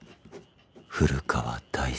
「古川大志」